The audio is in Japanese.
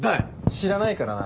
知らないからな。